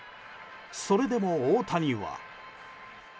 それでも大谷は。